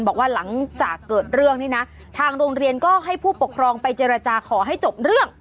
บอกว่าหลังจากเกิดเรื่องนี้นะทางโรงเรียนก็ให้ผู้ปกครองไปเจรจาขอให้จบเรื่อง